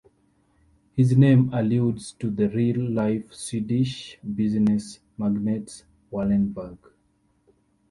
His name alludes to the real-life Swedish business magnates Wallenberg.